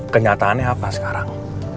kenyataannya apa sekarang